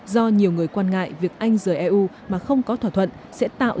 do nhiều người quan ngại việc anh rời eu